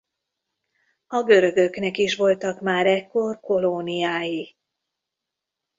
A görögöknek is voltak már ekkor kolóniái.